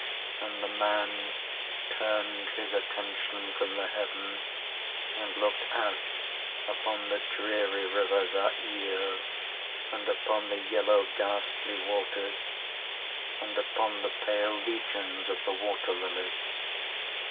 "And the man turned his attention from the heaven, and looked out upon the dreary river Zaire, and upon the yellow ghastly waters, and upon the pale legions of the water lilies.